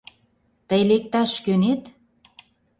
Тый лекташ кӧнет?